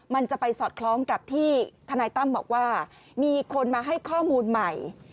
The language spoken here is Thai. มันจะไปสอดคล้องกับที่ทนายตั้มบอกว่ามีคนมาให้ข้อมูลใหม่